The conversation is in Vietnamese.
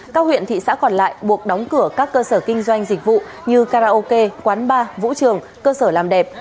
các huyện thị xã còn lại buộc đóng cửa các cơ sở kinh doanh dịch vụ như karaoke quán bar vũ trường cơ sở làm đẹp